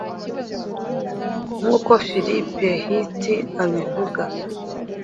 nk’uko philip hitti abivuga